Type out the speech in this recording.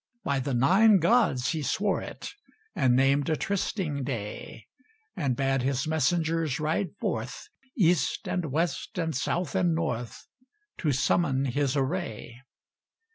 By the Nine Gods he swore it, And named a trysting day, And bade his messengers ride forth East and west and south and north To summon his array.